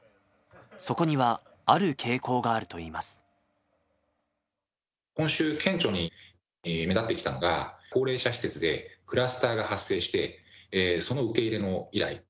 そこには、ある傾向があるといい今週、顕著に目立ってきたのが高齢者施設でクラスターが発生して、その受け入れの依頼。